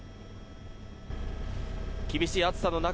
厳しい暑さの中